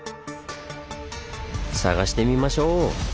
探してみましょう！